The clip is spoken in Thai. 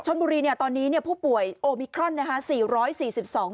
ชนบุรีตอนนี้ผู้ป่วยโอมิครอน๔๔๒ร้าน